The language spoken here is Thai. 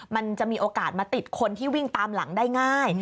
มันจะมีโอกาสมาติดคนที่วิ่งตามหลังได้ง่าย